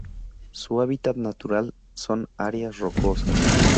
Su hábitat natural son áreas rocosas.